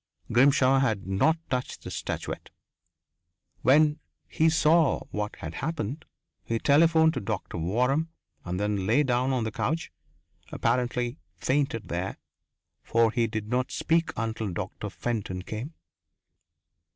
Grimshaw had not touched the statuette. When he saw what had happened, he telephoned to Doctor Waram and then lay down on the couch apparently fainted there, for he did not speak until Doctor Fenton came.